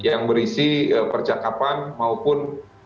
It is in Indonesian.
yang berisi percakapan maupun